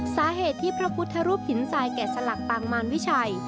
สาเหตุที่พระพุทธรูปหินทรายแก่สลักปางมารวิชัย